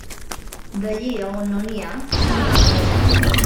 D'allí a on no n'hi ha no en pot rajar.